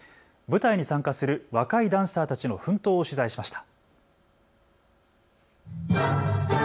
舞台に参加する若いダンサーたちの奮闘を取材しました。